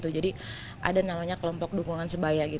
jadi ada kelompok dukungan sebaya